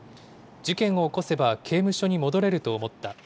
事件を起こせば刑務所に戻れると思った。